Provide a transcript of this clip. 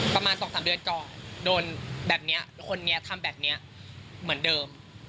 ประมาณ๒๓เดือนก่อนโดนแบบนี้คนนี้ทำแบบนี้เหมือนเดิม